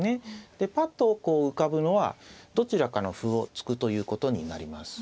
でパッとこう浮ぶのはどちらかの歩を突くということになります。